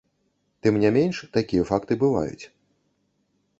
Тым не менш, такія факты бываюць.